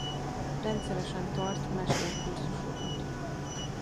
Rendszeresen tart mesterkurzusokat.